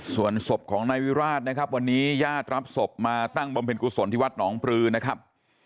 ส่วนศพของนายวิราชนะครับวันนี้ญาติรับศพมาตั้งบำเพ็ญกุศลที่วัดหนองปลือนะครับ